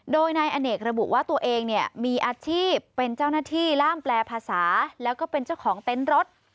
โดยนายอเนกระบุว่าตัวเองเนี่ยมีอาชีพเป็นเจ้าหน้าที่ล่ามแปลภาษาแล้วก็เป็นเจ้าของเต็นต์รถ